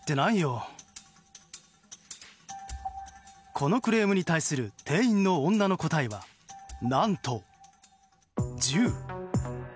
このクレームに対する店員の女の答えは何と、銃。